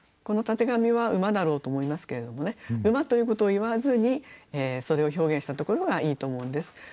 この「たてがみ」は馬だろうと思いますけれどもね馬ということを言わずにそれを表現したところがいいと思うんです。